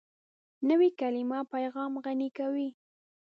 نوې کلیمه پیغام غني کوي